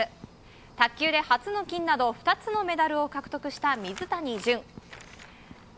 卓球で初の金など２つのメダルを獲得した水谷隼。